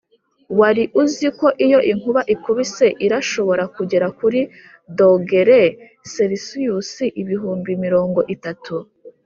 wari uziko iyo inkuba ikubise irashobora kugera kuri dogere selisiyusi ibihumbi mirongo itatu